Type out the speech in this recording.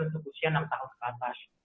untuk usia enam tahun ke atas